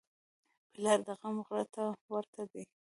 پلار د زغم غره ته ورته دی.